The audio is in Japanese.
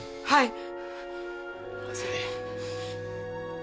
はい！